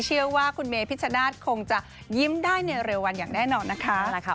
เชื่อว่าคุณเมพิชชนาธิ์คงจะยิ้มได้ในเร็ววันอย่างแน่นอนนะคะ